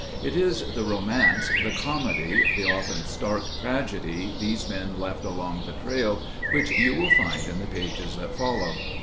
It is the romance, the comedy, the often stark tragedy these men left along the trail which you will find in the pages that follow.